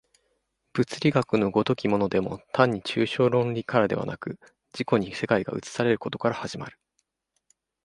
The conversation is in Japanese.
物理学の如きものでも単に抽象論理からではなく、自己に世界が映されることから始まる。